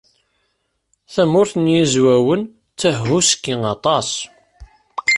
Tamurt n Yizwawen tehhuski aṭas.